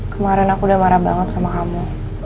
kemarin aku udah marah banget sama kamu